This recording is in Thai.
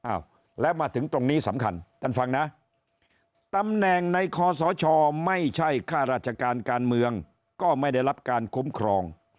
อ้าวแล้วมาถึงตรงนี้สำคัญท่านฟังนะตำแหน่งในคอสชไม่ใช่ค่าราชการการเมืองก็ไม่ได้รับการคุ้มครอง